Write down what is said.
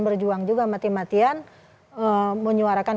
berjuang juga mati matian menyuarakan